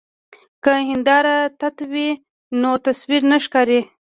که هنداره تت وي نو تصویر نه ښکاري.